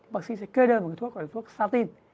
bác sĩ sẽ kê đơn một cái thuốc là thuốc satin